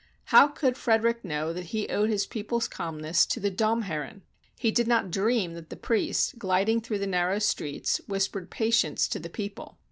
How could Frederick know that he owed his people's calmness to the Domherren? He did not dream that the priests, gliding through the narrow streets, whispered patience to the people.